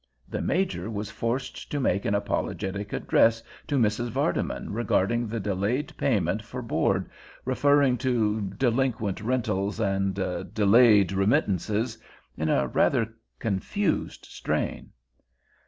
The Major was forced to make an apologetic address to Mrs. Vardeman regarding the delayed payment for board, referring to "delinquent rentals" and "delayed remittances" in a rather confused strain.